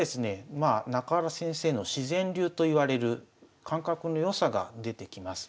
まあ中原先生の自然流といわれる感覚の良さが出てきます。